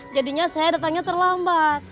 jadinya saya datangnya terlambat